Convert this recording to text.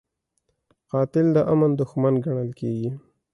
قاتل د امن دښمن ګڼل کېږي